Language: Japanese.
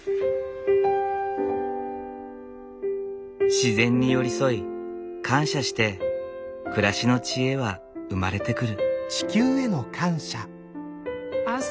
自然に寄り添い感謝して暮らしの知恵は生まれてくる。